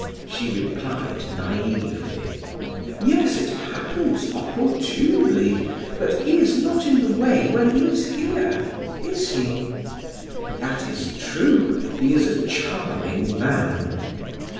She replied naively: "Yes, it happens opportunely, but he is not in the way when he is here; is he?" "That is true; he is a charming man!"